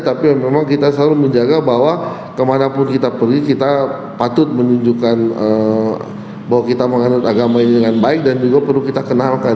tapi memang kita selalu menjaga bahwa kemanapun kita pergi kita patut menunjukkan bahwa kita menganut agama ini dengan baik dan juga perlu kita kenalkan